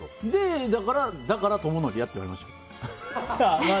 だから智則やって言われました。